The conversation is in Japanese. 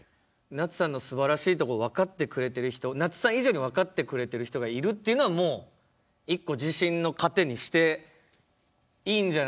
なつさんのすばらしいとこ分かってくれてる人なつさん以上に分かってくれてる人がいるっていうのはもう一個自信の糧にしていいんじゃないかなと思いますけどね。